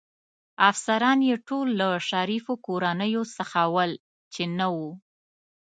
افسران يې ټول له شریفو کورنیو څخه ول، چې نه و.